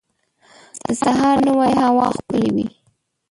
د سهار نوی هوا ښکلی وي.